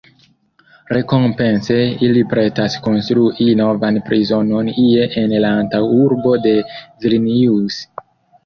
Rekompence ili pretas konstrui novan prizonon ie en la antaŭurbo de Vilnius.